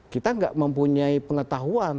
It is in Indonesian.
kita tidak mempunyai pengetahuan